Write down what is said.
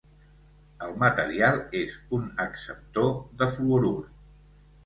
El material és un acceptor de fluorur.